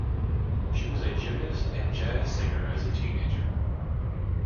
She was a gymnast and jazz singer as a teenager.